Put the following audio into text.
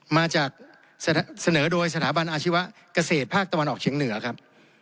มาจากเสนอโดยสถาบันอาชีวะเกษตรภาคตะวันออกเฉียงเหนือครับ